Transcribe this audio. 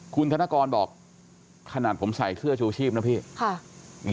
คุณธนกรบอกขนาดผมใส่เสื้อชูชีพนะพี่